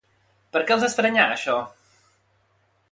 Per què els estranyà això?